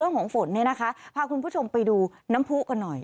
ฝนเนี่ยนะคะพาคุณผู้ชมไปดูน้ำผู้กันหน่อย